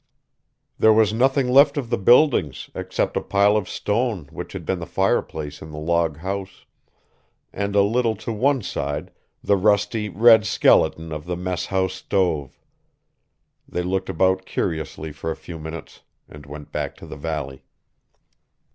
There was nothing left of the buildings except a pile of stone which had been the fireplace in the log house, and a little to one side the rusty, red skeleton of the mess house stove. They looked about curiously for a few minutes and went back to the valley.